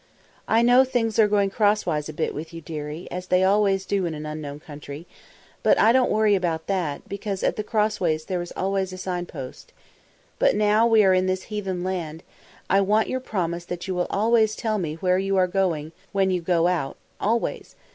"I know things are going crosswise a bit with you, dearie, as they always do in an unknown country; but I don't worry about that, because at the crossways there is always a signpost. But now that we are in this heathen land, I want your promise that you will always tell me where you are going to when you go out always.